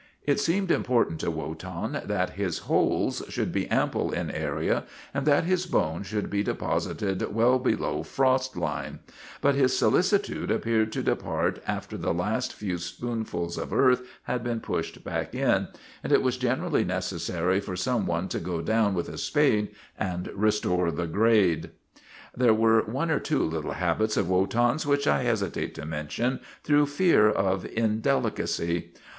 It seemed important to Wotan that his holes should be ample in area and that his bones should be deposited well below frost line, but his solicitude appeared to depart after the first few spoonfuls of earth had been pushed back in, and it was generally necessary for some one to go down with a spade and restore the grade. There were one or two little habits of Wotan's which I hesitate to mention through fear of indeli cacy.